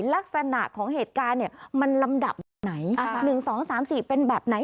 ลักษณะของเหตุการณ์มันลำดับแบบไหน๑๒๓๔เป็นแบบไหน